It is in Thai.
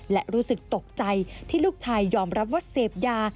และรู้สึกตกใจที่ลูกชายยอมรับว่าเสพยา